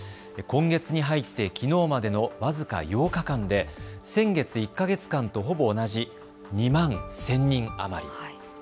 今月に入ってきのうまでの僅か８日間で先月１か月間とほぼ同じ２万１０００人余り。